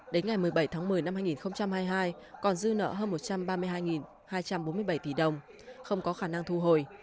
đến ngày một mươi bảy tháng một mươi năm hai nghìn hai mươi hai còn dư nợ hơn một trăm ba mươi hai hai trăm bốn mươi bảy tỷ đồng không có khả năng thu hồi